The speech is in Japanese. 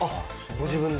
ご自分で？